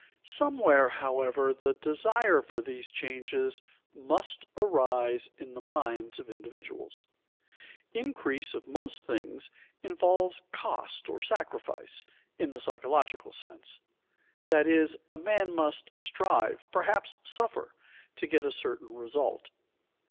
Somewhere, however, the desire for these changes must arise in the minds of individuals. Increase of most things involves "cost" or sacrifice, in the psychological sense; that is, man must strive, perhaps suffer, to get a certain result.